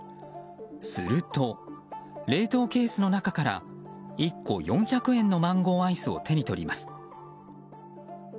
すると、冷凍ケースの中から１個４００円のマンゴーアイスを手に取ります。